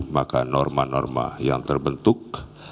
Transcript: maka norma norma yang terbentuk